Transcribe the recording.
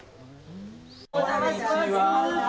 お邪魔します